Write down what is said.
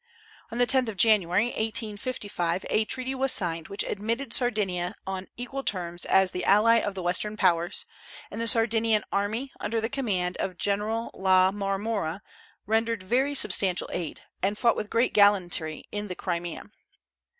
On the 10th of January, 1855, a treaty was signed which admitted Sardinia on equal terms as the ally of the Western Powers; and the Sardinian army, under the command of General La Marmora, rendered very substantial aid, and fought with great gallantry in the Crimea.